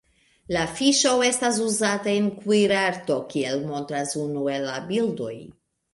La fiŝo estas uzata en kuirarto, kiel montras unu el la bildoj.